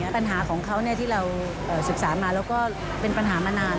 ปัญหาของเขาที่เราศึกษามาแล้วก็เป็นปัญหามานาน